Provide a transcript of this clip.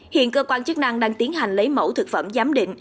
hiện cơ quan chức năng đang tiến hành lấy mẫu thực phẩm giám định